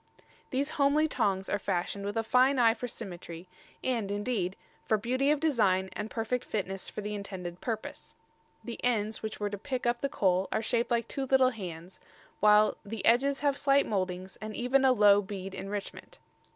These homely tongs are fashioned with a fine eye for symmetry, and, indeed, for beauty of design and perfect fitness for the intended purpose. The ends which were to pick up the coal are shaped like two little hands, while "the edges have slight mouldings and even a low bead enrichment.